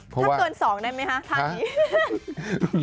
ถ้าเกินสองได้ไหมฮะท่านี้